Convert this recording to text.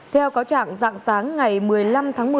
theo cáo trạng dạng sáng ngày một mươi năm tháng một mươi